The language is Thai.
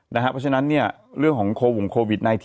เพราะฉะนั้นเนี่ยเรื่องของโควิด๑๙